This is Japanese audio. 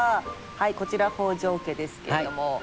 はいこちら北条家ですけども。